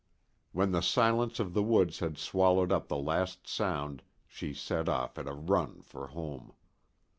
When the silence of the woods had swallowed up the last sound she set off at a run for home.